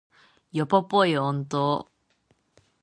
ヨポポイ音頭